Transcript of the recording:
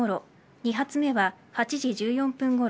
２発目は８時１４分ごろ